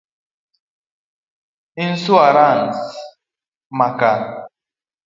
Insuarans ma ka